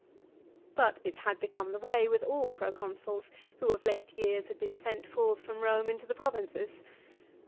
But it had become the way with all Proconsuls who of late years had been sent forth from Eome into the provinces.